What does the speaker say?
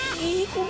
udah dong udah